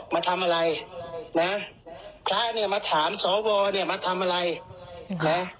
มาทำอะไรนะพระเนี่ยมาถามสวเนี่ยมาทำอะไรนะ